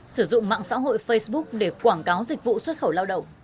sử dụng mạng xã hội facebook để quảng cáo dịch vụ xuất khẩu lao động